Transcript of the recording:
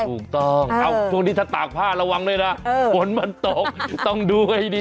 ถูกต้องตอนนี้ถ้าตากผ้าเราวังเลยนะปนมันตกต้องดูไว้ดี